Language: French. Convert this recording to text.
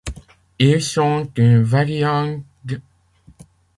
Ils sont une variante d'.